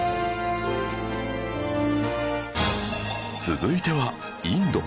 続いてはインド